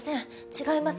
違います！